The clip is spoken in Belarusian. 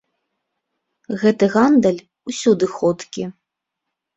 Гэты гандаль усюды ходкі.